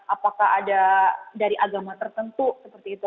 apakah ada dari agama tertentu seperti itu